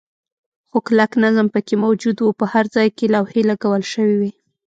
خو کلک نظم پکې موجود و، په هر ځای کې لوحې لګول شوې وې.